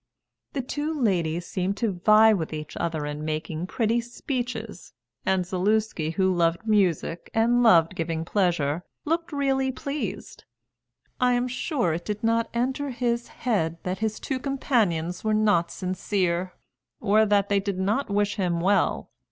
The two ladies seemed to vie with each other in making pretty speeches, and Zaluski, who loved music and loved giving pleasure, looked really pleased. I am sure it did not enter his head that his two companions were not sincere, or that they did not wish him well.